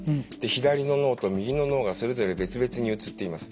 左の脳と右の脳がそれぞれ別々に映っています。